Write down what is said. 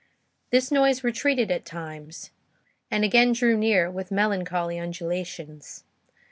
This noise retreated at times, and again drew near, with melancholy undulations.